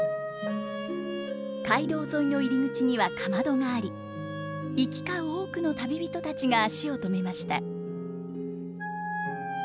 街道沿いの入り口にはかまどがあり行き交う多くの旅人たちが足を止めました。